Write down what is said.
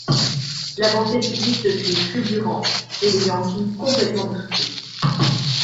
L'avancée sudiste fut fulgurante et les Yankees complètement bousculés.